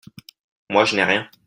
Moi, je n’ai rien !